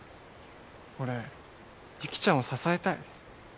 俺雪ちゃんを支えたい。